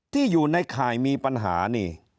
ที่อยู่ในข่ายมีปัญหานี่